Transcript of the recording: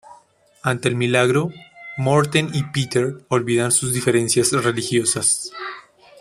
Ante el milagro, Morten y Peter olvidan sus diferencias religiosas.